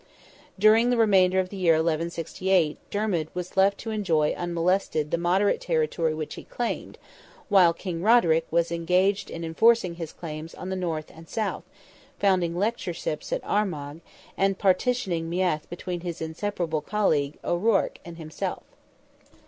During the remainder of the year 1168, Dermid was left to enjoy unmolested the moderate territory which he claimed, while King Roderick was engaged in enforcing his claims on the North and South, founding lectorships at Armagh, and partitioning Meath between his inseparable colleague, O'Ruarc, and himself.